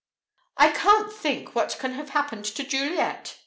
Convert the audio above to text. "I can't think what can have happened to Juliet!"